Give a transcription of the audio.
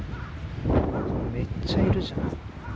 めっちゃいるじゃん。